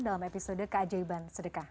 dalam episode kajaiban sedekah